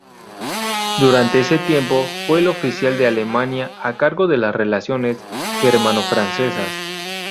Durante ese tiempo, fue el oficial de Alemania a cargo de las relaciones germano-francesas.